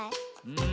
うん。